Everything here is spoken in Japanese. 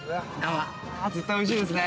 絶対おいしいですね。